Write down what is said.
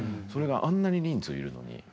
それがあんなに人数いるのに。